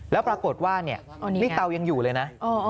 แล้วปรากฏว่าเนี่ยนี่เตายังอยู่เลยนะ